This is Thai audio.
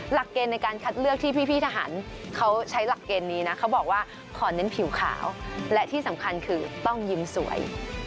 หลักเกณฑ์ในการคัดเลือกที่พี่ทหารเขาใช้หลักเกณฑ์นี้นะเขาบอกว่าขอเน้นผิวขาวและที่สำคัญคือต้องยิ้มสวย